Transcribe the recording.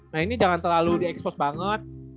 mainnya jangan terlalu diexpose banget